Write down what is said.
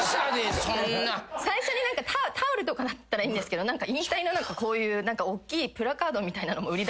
最初にタオルとかだったらいいんですけど引退の何かこういうおっきいプラカードみたいなのも売り出されちゃって。